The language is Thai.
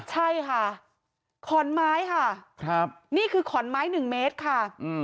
ใช่ค่ะขอนไม้ค่ะนี่คือขอนไม้๑เมตรค่ะ